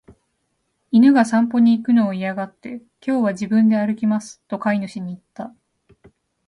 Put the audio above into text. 犬が散歩に行くのを嫌がって、「今日は自分で歩きます」と飼い主に言った。